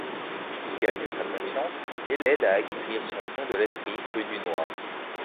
Il gagne sa confiance et l'aide à acquérir son fonds de laiterie Rue Dunoir.